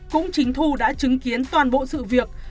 cũng chính thu đã chứng kiến toàn bộ sự việc